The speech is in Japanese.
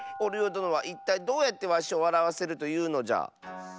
どのはいったいどうやってわしをわらわせるというのじゃ？